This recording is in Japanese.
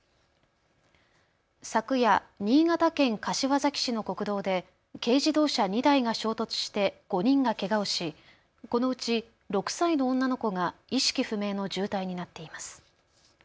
昨夜、新潟県柏崎市の国道で軽自動車２台が衝突して５人がけがをし、このうち６歳の女の子が意識不明の重体になっています。